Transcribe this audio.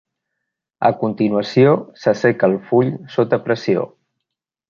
A continuació, s'asseca el full sota pressió.